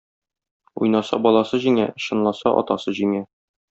Уйнаса баласы җиңә, чынласа атасы җиңә.